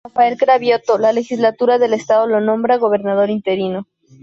Rafael Cravioto, la Legislatura del Estado lo nombra gobernador interino.